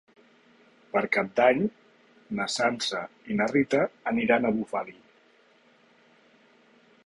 Per Cap d'Any na Sança i na Rita aniran a Bufali.